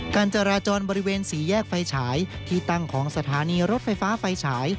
การจราจรบริเวณสี่แยกไฟฉายที่ตั้งของสถานีรถไฟฟ้าไฟฉาย